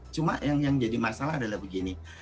cuma yang jadi masalah adalah begini